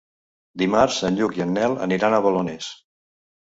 Dimarts en Lluc i en Nel aniran a Balones.